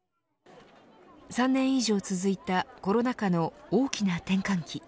３年以上続いたコロナ禍の大きな転換期